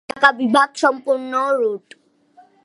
ঢাকা বিভাগ সম্পূর্ণ রুট